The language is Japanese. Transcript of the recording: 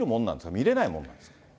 見れないもんなんですか？